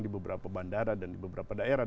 di beberapa bandara dan di beberapa daerah